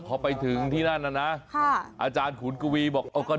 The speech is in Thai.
พอไปถึงที่นั่นนะอาจารย์ขุนกวีบอกเอาก็โดน